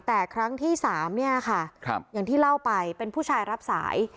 แต่ครั้งที่๓เนี่ยค่ะอย่างที่เล่าไปเป็นผู้ชายรับสาย